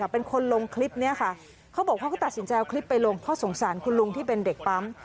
เพราะสงสารคุณลุงที่เป็นเด็กปั๊ม